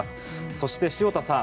そして潮田さん